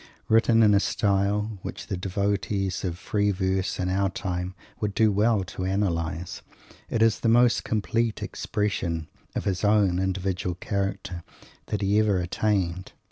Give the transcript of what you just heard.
Written in a style which the devotees of "free verse" in our time would do well to analyse, it is the most complete expression of his own individual character that he ever attained.